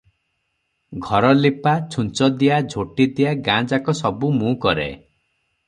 ଘରଲିପା, ଛୁଞ୍ଚ ଦିଆ, ଝୋଟିଦିଆ ଗାଁଯାକ ସବୁ ମୁଁ କରେ ।